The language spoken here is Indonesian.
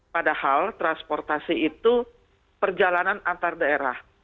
padahal transportasi itu perjalanan antar daerah